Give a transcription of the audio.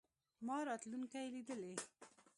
ما راتلونکې لیدلې.